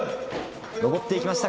上って行きました